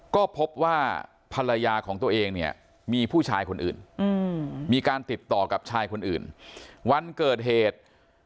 ก็พบว่าภรรยาของตัวเองเนี่ยมีผู้ชายคนอื่นมีการติดต่อกับชายคนอื่นวันเกิดเหตุ